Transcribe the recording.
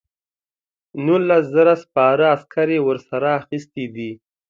نولس زره سپاره عسکر یې ورسره اخیستي دي.